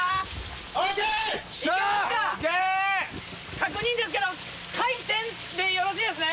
確認ですけど回転でよろしいですね？